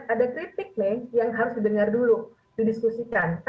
ada kritik nih yang harus didengar dulu didiskusikan